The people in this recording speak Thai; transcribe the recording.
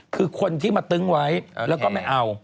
คือคนที่มาตึ้งไว้แล้วก็ไม่เอา